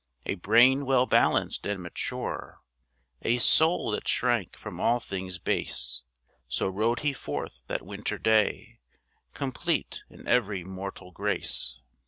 A brain well balanced and mature, A soul that shrank from all things base, So rode he forth that winter day, Complete in every mortal grace.